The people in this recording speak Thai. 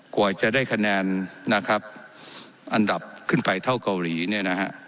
กว่าจะได้คะแนนนะครับอันดับขึ้นไปเท่าเกาหลีเนี่ยนะฮะ